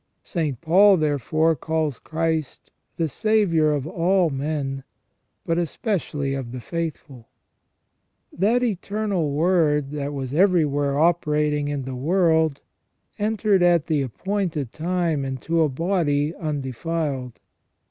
"* St. Paul, therefore, calls Christ "the Saviour of all men, but especially of the faithful ". That Eternal Word that was everywhere operating in the world entered at the appointed time into a body undefiled.